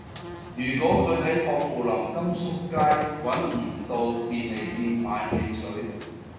如果佢喺薄扶林金粟街搵唔到便利店買汽水